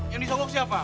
yang disogok siapa